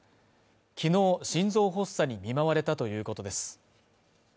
昨日心臓発作に見舞われたということです